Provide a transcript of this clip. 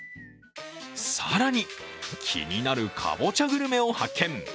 更に気になるかぼちゃグルメを発見。